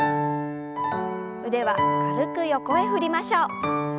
腕は軽く横へ振りましょう。